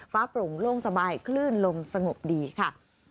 โปร่งโล่งสบายคลื่นลมสงบดีค่ะ